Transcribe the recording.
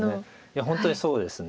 いや本当にそうですね。